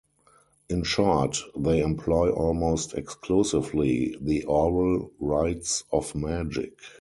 In short, they employ almost exclusively the oral rites of magic.